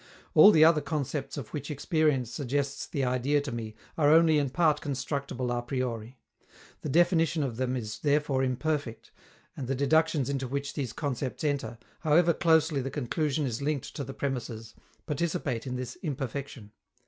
All the other concepts of which experience suggests the idea to me are only in part constructible a priori; the definition of them is therefore imperfect, and the deductions into which these concepts enter, however closely the conclusion is linked to the premisses, participate in this imperfection.